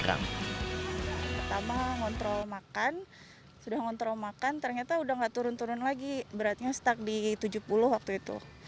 pertama ngontrol makan sudah ngontrol makan ternyata udah gak turun turun lagi beratnya stuck di tujuh puluh waktu itu